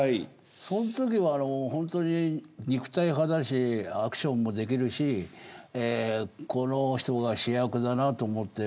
そのときは肉体派だしアクションもできるしこの人が主役だなと思って。